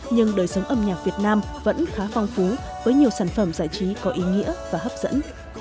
nhưng đời sống âm nhạc việt nam vẫn khá phong phú với nhiều sản phẩm giải trí có ý nghĩa và hấp dẫn